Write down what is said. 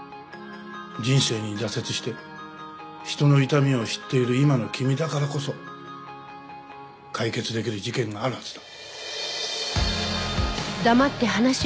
人生に挫折して人の痛みを知っている今の君だからこそ解決できる事件があるはずだ。